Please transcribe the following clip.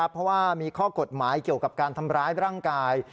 เพราะว่ามีข้อกฎหมายเกี่ยวกับการทำร้ายร่างกาย